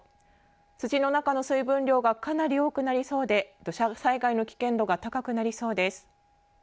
土の中の水分量がかなり多くなりそうで土砂災害の危険度が高くなりそうです。